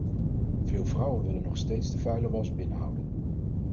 Veel vrouwen willen nog steeds de vuile was binnenhouden.